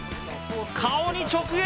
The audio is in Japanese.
顔に直撃！